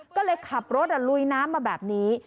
ก็เลยขับรถลุยน้ำมาแบบนี้